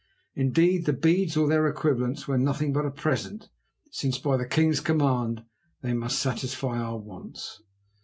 Indeed, the beads, or their equivalents, were nothing but a present, since, by the king's command, they must satisfy our wants.